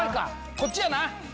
こっちやな。